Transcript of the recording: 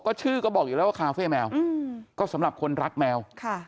ก็ชื่อก็บอกอยู่แล้วว่าคาเฟ่แมวก็สำหรับคนรักแมวค่ะ